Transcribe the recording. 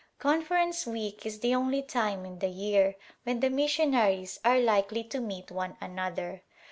Conference week is the only time in the year when the missionaries are likely to meet one another.